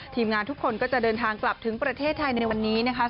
ทีมงานทุกคนก็จะเดินทางกลับถึงประเทศไทยในวันนี้นะคะ